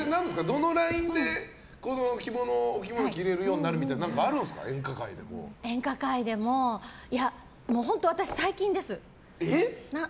どのラインでお着物着れるようになるみたいな演歌界でも本当、私、最近です。